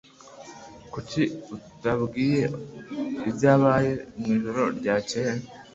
Kuki utabwiye ibyabaye mwijoro ryakeye?